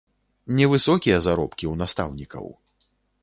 Невысокія заробкі ў настаўнікаў.